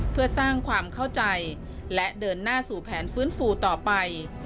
เพื่อสร้างความเข้าใจและเดินหน้าสู่แผนฟื้นฟูต่อไป